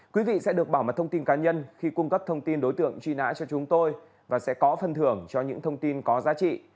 quý vị sẽ được bảo mật thông tin cá nhân khi cung cấp thông tin đối tượng truy nã cho chúng tôi và sẽ có phân thưởng cho những thông tin có giá trị